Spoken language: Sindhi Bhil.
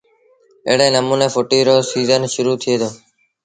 ايڙي نموٚني ڦُٽيٚ رو سيٚزن شرو ٿئي دو